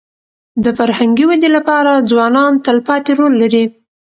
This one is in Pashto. د فرهنګي ودې لپاره ځوانان تلپاتې رول لري.